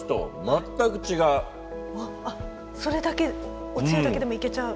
あっそれだけおつゆだけでもいけちゃう？